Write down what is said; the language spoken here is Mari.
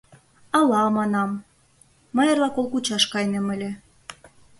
— Ала, — манам, — мый эрла кол кучаш кайынем ыле.